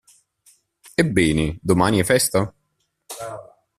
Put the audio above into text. Ebbene, domani è festa?